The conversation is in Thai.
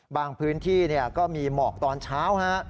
บางพื้นที่ก็มีหมอกตอนเช้า